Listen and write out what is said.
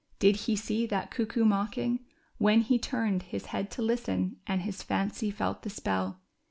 did he see that cuckoo mocking When he turned his head to listen and his fancy felt the spell